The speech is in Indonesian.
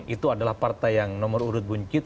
itu adalah partai yang nomor urut buncit